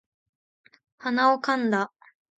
鼻をかんだ